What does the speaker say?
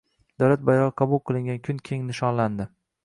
Davlat bayrog‘i qabul qilingan kun keng nishonlandi